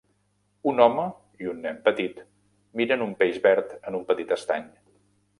Un home i un nen petit miren un peix verd en un petit estany.